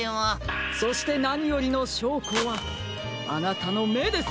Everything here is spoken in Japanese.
そしてなによりのしょうこはあなたのめです！